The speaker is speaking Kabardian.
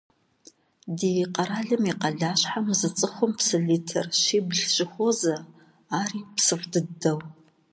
Di kheralım yi khalaşhem zı ts'ıxum psı litr şibl şıxuoze, ari psıf' dıdeu.